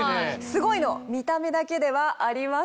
すごいの見た目だけではありません。